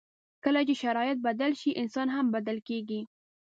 کله چې شرایط بدل شي، انسان هم بدل کېږي.